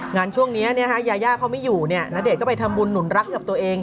งานช่วงนี้ยาย่าเขาไม่อยู่ณเดชนก็ไปทำบุญหนุนรักกับตัวเอง